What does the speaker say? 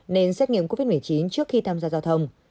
nên xét nghiệm covid một mươi chín trước khi tham gia giao thông